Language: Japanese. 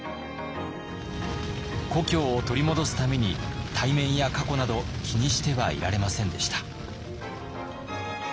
故郷を取り戻すために体面や過去など気にしてはいられませんでした。